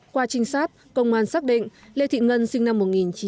qua trinh sát công an xác định lê thị ngân sinh năm một nghìn chín trăm tám mươi